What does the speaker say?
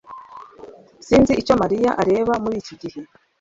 Sinzi icyo mariya areba muri iki gihe